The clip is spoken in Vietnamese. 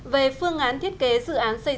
về phương án thiết kế dự án xây dựng cải tạo